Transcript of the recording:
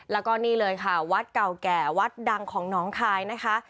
แล้วก็นี่เลยค่ะวัดเก่าแก่วัดดังของน้องคายนะคะ